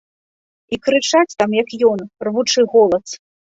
І крычаць там, як ён, рвучы голас.